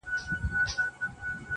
اوس مي د سپين قلم زهره چاودلې.